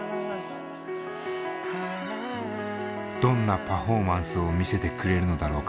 どんなパフォーマンスを見せてくれるのだろうか。